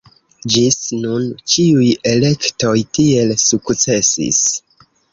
Ĝis nun ĉiuj elektoj tiel sukcesis.